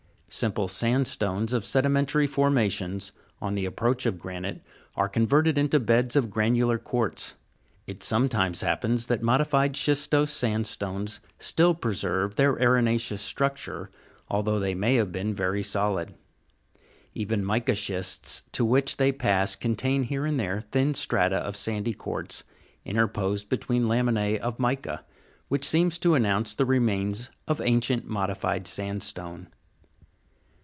Simple sandstones of sedimentary formations, on the approach of granite, are converted into beds of granular quartz. It sometimes happens that modified schistose sandstones still pre serve their arena'ceous structure, although they may have become very solid ; even the mica schists to which they pass contain here and there thin strata of sandy quartz, interposed between laminae of mica, which seems to announce the remains of ancient modified sandstone.